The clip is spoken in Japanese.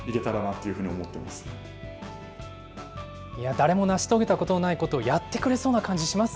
誰も成し遂げたことがないことをやってくれそうな感じします